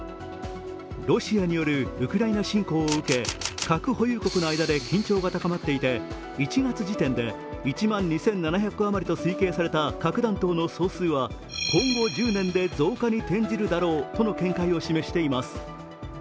ロシアによるウクライナ侵攻を受け核保有国の間で緊張が高まっていて１月時点で１万２７００個余りと推計された核弾頭の総数は今後１０年で増加に転じるだろうとの見解をしめしています。